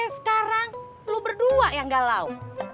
sekarang lu berdua yang galau